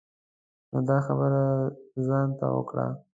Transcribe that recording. نو دا خبری ځان ته وکړه.